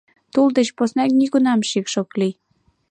Тул деч посна нигунам шикш ок лий.